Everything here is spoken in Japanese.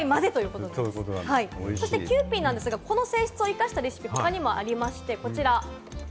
そしてキユーピーなんですが、この性質を生かしたレシピ、他にもありまして、こちらです。